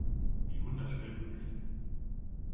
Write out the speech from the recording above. Wie wunderschön du bist.